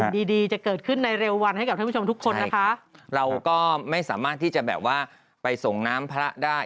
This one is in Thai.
ดีดีจะเกิดขึ้นในเร็ววันให้กับท่านผู้ชมทุกคนนะคะเราก็ไม่สามารถที่จะแบบว่าไปส่งน้ำพระได้